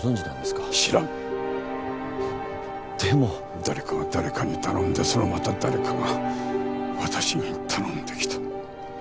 誰かが誰かに頼んでそのまた誰かが私に頼んできた。